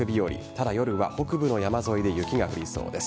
ただ、夜は北部の山沿いで雪が降りそうです。